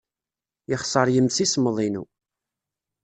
Yexṣer yimsismeḍ-inu.